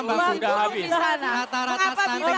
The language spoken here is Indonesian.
mengapa bisa ada stunting di sana